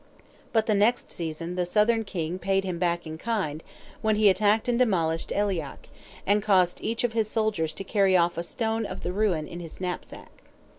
But the next season the southern king paid him back in kind, when he attacked and demolished Aileach, and caused each of his soldiers to carry off a stone of the ruin in his knapsack.